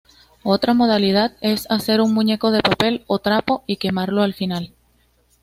Otra modalidad es hacer un muñeco de papel o trapo y quemarlo al final.